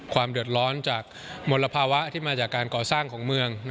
ความเดือดร้อนจากมลภาวะที่มาจากการก่อสร้างของเมือง